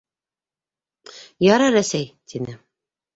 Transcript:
— Ярар, әсәй, — тине.